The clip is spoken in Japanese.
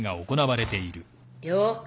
了解。